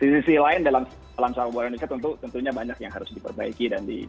di sisi lain dalam sepak bola indonesia tentu tentunya banyak yang harus diperbaiki